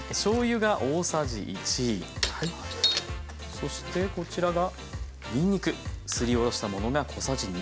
そしてこちらがにんにくすりおろしたものが小さじ1/2。